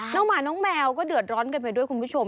หมาน้องแมวก็เดือดร้อนกันไปด้วยคุณผู้ชม